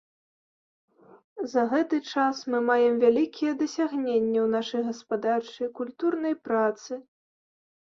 За гэты час мы маем вялікія дасягненні ў нашай гаспадарчай, культурнай працы.